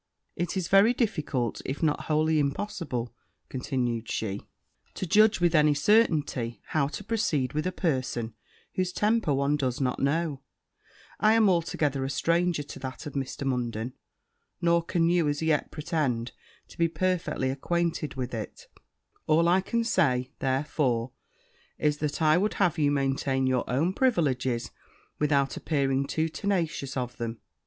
'It is very difficult, if not wholly impossible,' continued she, 'to judge with any certainty, how to proceed with a person whose temper one does not know; I am altogether a stranger to that of Mr. Munden, nor can you as yet pretend to be perfectly acquainted with it: all I can say, therefore, is, that I would have you maintain your own privileges, without appearing to tenacious of them.'